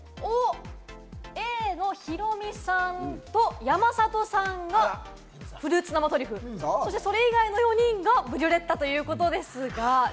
Ａのヒロミさんと山里さんがフルーツ生トリュフ、それ以外の４人がブリュレッタということですが。